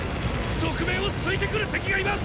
側面をついてくる敵がいます！